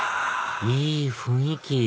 いい雰囲気